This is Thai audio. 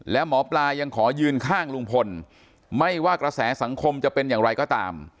และหมอปลายังขอยืนข้างลุงพลไม่ว่ากระแสสังคมจะเป็นอย่างไรก็ตาม